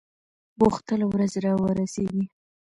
غوښتل ورځ را ورسیږي.